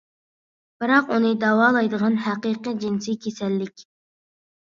بىراق ئۇنى داۋالايدىغان ھەقىقىي جىنسىي كېسەللىك.